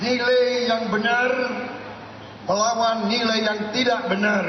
nilai yang benar melawan nilai yang tidak benar